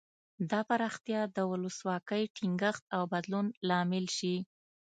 دا پراختیا د ولسواکۍ ټینګښت او بدلون لامل شي.